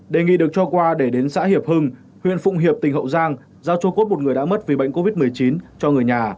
đề nghị được cho qua để đến xã hiệp hưng huyện phụng hiệp tỉnh hậu giang giao cho cốt một người đã mất vì bệnh covid một mươi chín cho người nhà